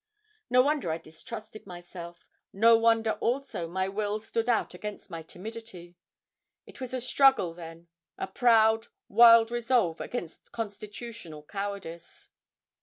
No wonder I distrusted myself; no wonder also my will stood out against my timidity. It was a struggle, then; a proud, wild resolve against constitutional cowardice.